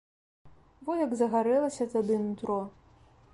Во як загарэлася тады нутро.